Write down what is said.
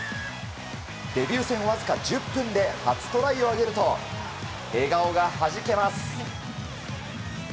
デビュー戦わずか１０分で初トライを挙げると笑顔がはじけます！